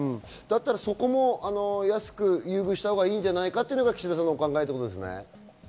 そこも安く優遇したほうがいいんじゃないかというのが岸田さんの考えなんですよね。